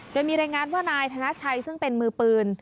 โดยมีรายงานว่านายธนชัยซึ่งเป็นมือปืน